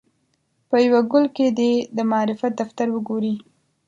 په یوه ګل کې دې د معرفت دفتر وګوري.